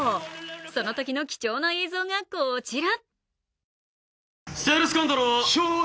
そのときの貴重な映像がこちら。